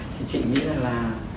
thì chị nghĩ là là